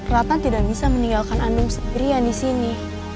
ratna tidak bisa meninggalkan andung sendirian di sini